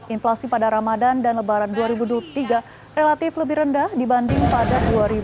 inflasi pada ramadan dan lebaran dua ribu dua puluh tiga relatif lebih rendah dibanding pada dua ribu dua puluh